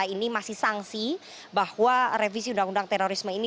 ini masih sanksi bahwa revisi undang undang terorisme ini